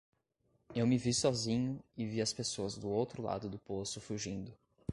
Eu me vi sozinho e vi as pessoas do outro lado do poço fugindo.